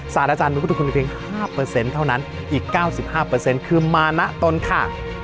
อาจารย์มีพุทธคุณเพียง๕เท่านั้นอีก๙๕คือมานะตนค่ะ